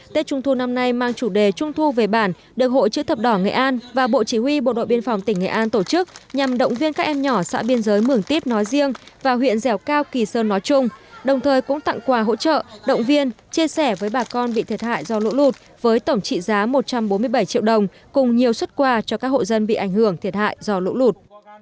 tết trung thu năm nay mang chủ đề trung thu về bản được hội chữ thập đỏ nghệ an và bộ chí huy bộ đội biên phòng tỉnh nghệ an tổ chức nhằm động viên các em nhỏ xã biên giới mường tiếp nói riêng và huyện dèo cao kỳ sơn nói chung đồng thời cũng tặng quà hỗ trợ động viên chia sẻ với bà con bị thiệt hại do lũ lụt với tổng trị giá một trăm bốn mươi bảy triệu đồng cùng nhiều xuất quà cho các hội dân bị ảnh hưởng thiệt hại do lũ lụt